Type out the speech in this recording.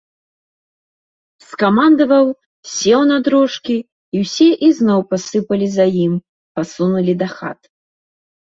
Скамандаваў, сеў на дрожкі, і ўсе ізноў пасыпалі за ім, пасунулі да хат.